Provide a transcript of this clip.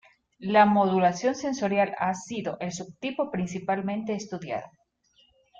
La modulación sensorial ha sido el subtipo principalmente estudiado.